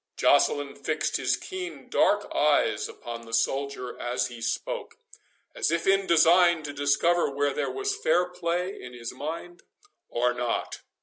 Joceline fixed his keen dark eyes upon the soldier as he spoke, as if in design to discover whether there was fair play in his mind or not.